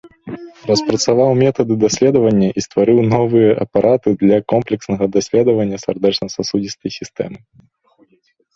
Распрацаваў метады даследавання і стварыў новыя апараты для комплекснага даследавання сардэчна-сасудзістай сістэмы.